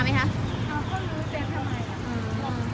เขารู้เส้นทำทำไม